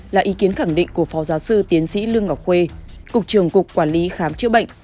là ý kiến khẳng định của phó giáo sư tiến sĩ lương ngọc khuê cục trưởng cục quản lý khám chữa bệnh